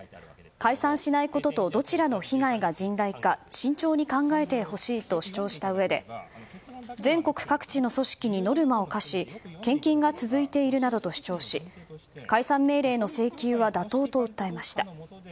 解散しないこととどちらの被害が甚大か慎重に考えてほしいと主張したうえで全国各地の組織にノルマを課し献金が続いているなどと主張し解散命令の請求は妥当と訴えました。